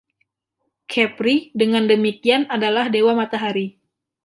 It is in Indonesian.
Khepri dengan demikian adalah dewa matahari.